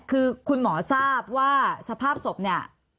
คือคุณหมอทราบว่าสภาพศพเนี่ย